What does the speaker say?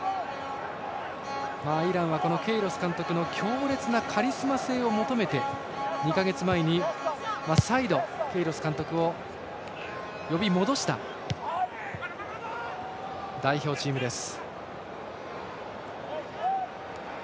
イランはケイロス監督の強烈なカリスマ性を求めて２か月前に再度、ケイロス監督を呼び戻した代表チームです。